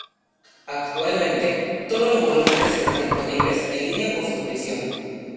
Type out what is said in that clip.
Actualmente todos los volúmenes están disponibles en línea por suscripción.